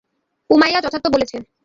উমায়্যা যথার্থ বলেছে।